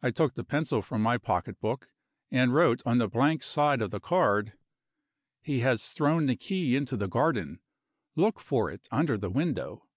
I took the pencil from my pocketbook, and wrote on the blank side of the card: "He has thrown the key into the garden; look for it under the window."